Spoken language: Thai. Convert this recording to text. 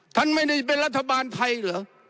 ท่านไม่ได้เป็นรัฐบาลไทยเหรอ